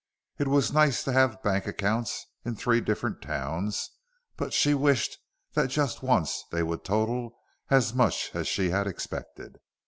It was nice to have bank accounts in three different towns, but she wished that just once they would total as much as she had expected.